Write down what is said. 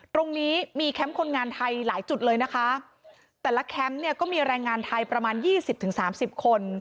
ตรงนี้มีแคมป์คนงานไทยหลายจุดเลยนะคะแต่ละแคมป์ก็มีแรงงานไทยประมาณ๒๐๓๐คน